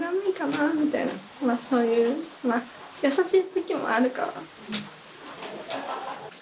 まあそういう優しいときもあるから。